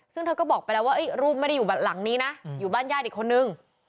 ซึ่งเธอก็บอกไปแล้วว่ารูปไม่ได้อยู่บ้านหลังนี้นะอยู่บ้านญาติอีกคนนึง